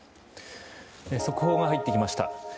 速報が入ってきました。